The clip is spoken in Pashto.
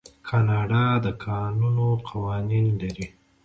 کاناډا د کانونو قوانین لري.